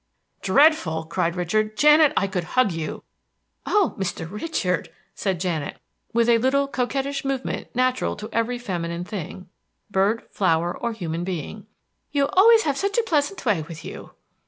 "Dreadful!" cried Richard. "Janet, I could hug you!" "Oh, Mr. Richard," said Janet with a little coquettish movement natural to every feminine thing, bird, flower, or human being, "you've always such a pleasant way with you."